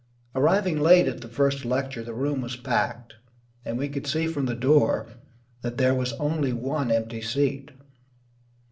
Arriving late at the first lecture the room was packed, and we could see from the door that there was only one empty seat.